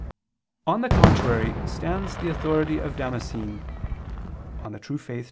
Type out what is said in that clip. On the contrary, stands the authority of Damascene (De Fide Orth.